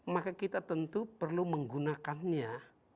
maka kita tentu perlu menggunakannya